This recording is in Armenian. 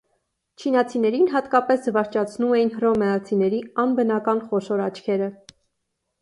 Չինացիներին հատկապես զվարճացնում էին հռոմեացիների «անբնական» խոշոր աչքերը։